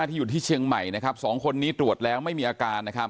ที่อยู่ที่เชียงใหม่สองคนนี้ตรวจแล้วไม่มีอาการ